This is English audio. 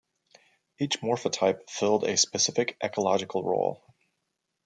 Each morphotype filled a specific ecological role.